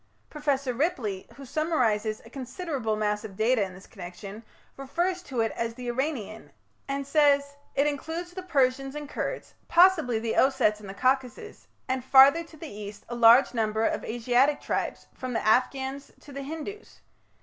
Professor Ripley, who summarizes a considerable mass of data in this connection, refers to it as the "Iranian", and says: "It includes the Persians and Kurds, possibly the Ossetes in the Caucasus, and farther to the east a large number of Asiatic tribes, from the Afghans to the Hindus.